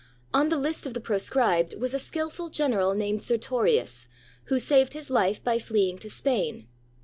On the list of the proscribed was a skillful general named Sertorius, who saved his life by fleeing to Spain.